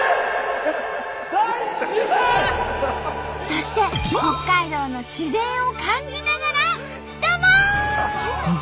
そして北海道の自然を感じながらドボン！